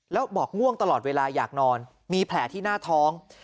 แล้วบอกง่วงตลอดเวลาอยากนอนมีแผลที่หน้าท้อง